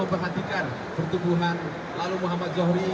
agar juga memperhatikan pertumbuhan lalu muhammad zohri